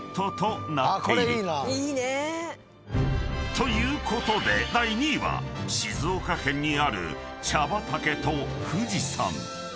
［ということで第２位は静岡県にある茶畑と富士山］